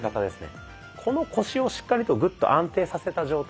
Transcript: この腰をしっかりとグッと安定させた状態